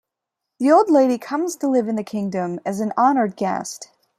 The Old Lady comes to live in the Kingdom as an honoured guest.